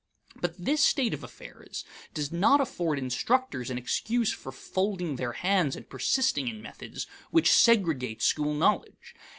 But this state of affairs does not afford instructors an excuse for folding their hands and persisting in methods which segregate school knowledge.